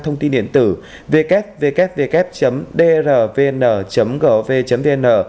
thông tin điện tử www drvn gv vn